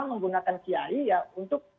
menggunakan kiai ya untuk